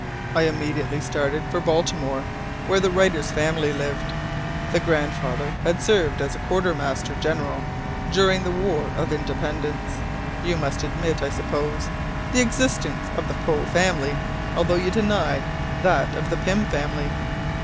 I immediately started for Baltimore, where the writer's family lived; the grandfather had served as quarter master general during the War of Independence. You admit, I suppose, the existence of the Poe family, although you deny that of the Pym family?"